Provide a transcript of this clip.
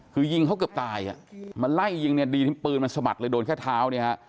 คือยิงเขาเกือบตายมันไล่ยิงดีที่มีปืนมันสมัครเลยโดนแค่เท้า